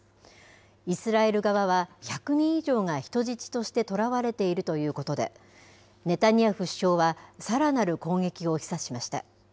イスラエル側は１００人以上が人質として捕らわれているということで、ネタニヤフ首相は、さらなる攻撃を示唆しました。